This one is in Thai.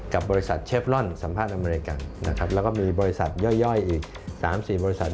กับบริษัทเชฟลอนสัมภาษณ์อเมริกันนะครับแล้วก็มีบริษัทย่อยอีก๓๔บริษัท